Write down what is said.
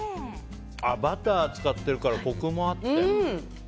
バター使ってるからコクもあって。